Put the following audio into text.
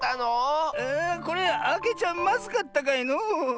これあけちゃまずかったかのう？